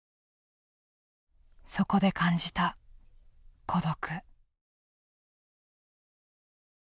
そこで感じた孤独。